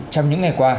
trong những ngày qua